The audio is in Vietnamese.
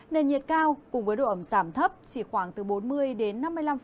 nền nhiệt cao cùng với độ ẩm giảm thấp chỉ khoảng từ bốn mươi đến năm mươi năm